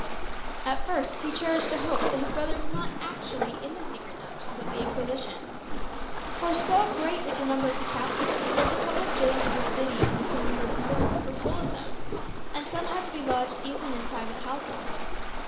At first he cherished a hope that his brother was not actually in the secret dungeons of the Inquisition. For so great was the number of the captives, that the public gaols of the city and the convent prisons were full of them; and some had to be lodged even in private houses.